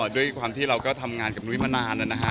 ด้วยความที่เราก็ทำงานกับนุ้ยมานานนะฮะ